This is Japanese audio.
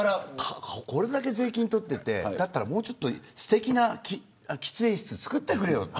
これだけ税金取っておいてもうちょっと、すてきな喫煙室を作ってくれよって。